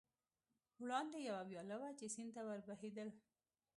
وړاندې یوه ویاله وه، چې سیند ته ور بهېدل.